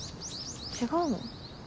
違うの？